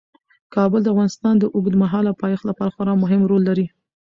کابل د افغانستان د اوږدمهاله پایښت لپاره خورا مهم رول لري.